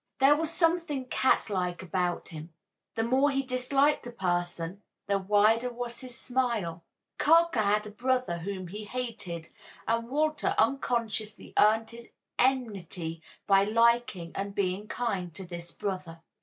There was something cat like about him; the more he disliked a person the wider was his smile. Carker had a brother whom he hated, and Walter unconsciously earned his enmity by liking and being kind to this brother.